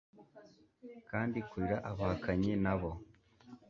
Kandi kurira abahakanyi nabo.